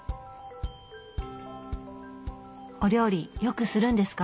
お料理よくするんですか？